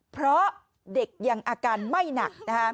เพราะเด็กยังอาการไม่หนัก